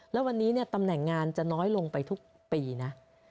แล้ววันนี้ตำแหน่งงานจะน้อยลงไปทุกปีนะ